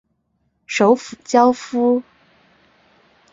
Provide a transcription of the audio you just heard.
首府焦夫。